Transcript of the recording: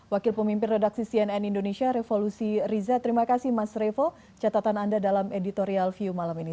wakil pemimpin redaksi cnn indonesia revolusi riza terima kasih mas revo catatan anda dalam editorial view malam ini